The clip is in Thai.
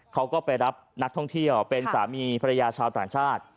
เขาก็ไปรับนักท่องเที่ยวเป็นสามีภรรยาชาวต่างชาติ